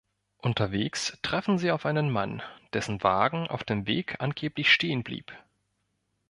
Unterwegs treffen sie auf einen Mann, dessen Wagen auf dem Weg angeblich stehen blieb.